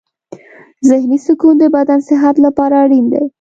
ذهني سکون د بدن صحت لپاره اړین دی.